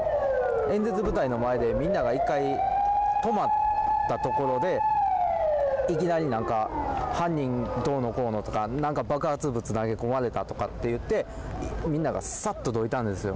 演説舞台の前でみんなが１回止まったところでいきなり、何か犯人どうのこうのとか爆発物が投げ込まれたとか言って、みんながさっとどいたんですよ。